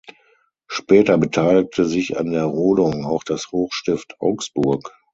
Später beteiligte sich an der Rodung auch das Hochstift Augsburg.